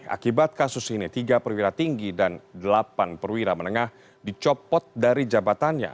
akibat kasus ini tiga perwira tinggi dan delapan perwira menengah dicopot dari jabatannya